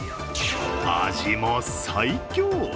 味も最強。